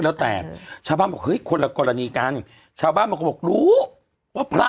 แล้วแต่ชาวบ้างคนหลักกรณีกันชาวบ้างมากูลู้พระ